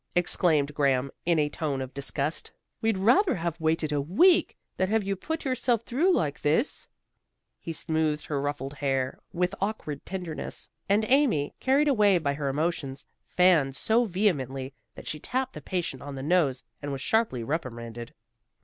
exclaimed Graham in a tone of disgust. "We'd rather have waited a week, than have you put yourself through like this," He smoothed her ruffled hair with awkward tenderness, and Amy, carried away by her emotions, fanned so vehemently that she tapped the patient on the nose, and was sharply reprimanded.